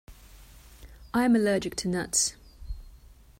I am allergic to nuts.